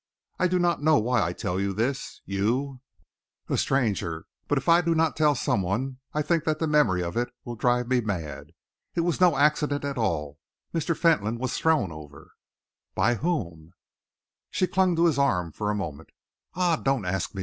"I do not know why I tell you this you, a stranger but if I do not tell some one, I think that the memory of it will drive me mad. It was no accident at all. Mr. Fentolin was thrown over!" "By whom?" he asked. She clung to his arm for a moment. "Ah, don't ask me!"